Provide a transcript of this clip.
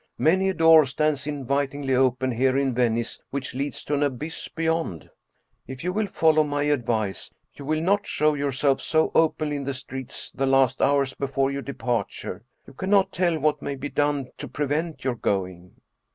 Many a door stands invitingly open here in Venice which leads to an abyss beyond. If you will follow my advice, you will not show yourself so openly in the streets the last hours before your departure. You cannot tell what may be done to prevent your going."